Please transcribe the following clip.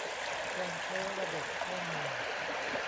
การใช้ระบบข้อมูล